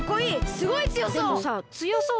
すごいつよそう！